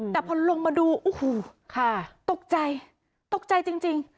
แต่พอลงมาดูโอ้โหตกใจตกใจจริง